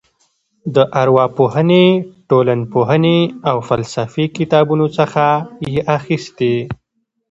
د ارواپوهنې ټولنپوهنې او فلسفې کتابونو څخه یې اخیستې.